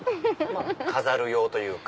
飾る用というか。